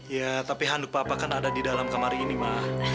ya tapi handuk papa kan ada di dalam kamar ini mah